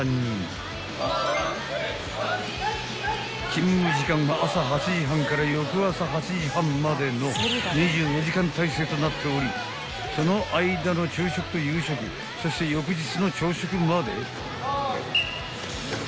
［勤務時間は朝８時半から翌朝８時半までの２４時間体制となっておりその間の昼食と夕食そして翌日の朝食まで］